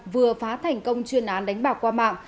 vừa phá thành công chuyên án đánh bạc qua mạng